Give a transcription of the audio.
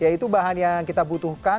yaitu bahan yang kita butuhkan